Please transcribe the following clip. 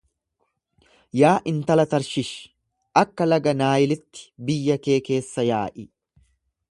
Yaa intala Tarshish, akka laga Naayilitti biyya kee keessa yaa'i.